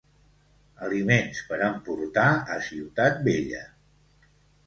Aliments per emportar a Ciutat Vella.